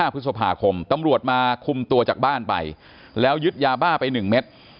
พฤษภาคมตำรวจมาคุมตัวจากบ้านไปแล้วยึดยาบ้าไป๑เม็ด